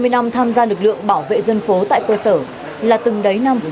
ba mươi năm tham gia lực lượng bảo vệ dân phố tại cơ sở là từng đáy năm